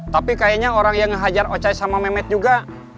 tapi kayaknya orang yang ngehajar ocai sama mehmet juga